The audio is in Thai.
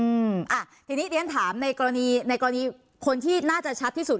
อืมอ่ะทีนี้เรียนถามในกรณีในกรณีคนที่น่าจะชัดที่สุด